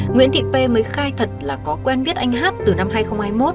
nguyễn thị pê mới khai thật là có quen biết anh hát từ năm hai nghìn hai mươi một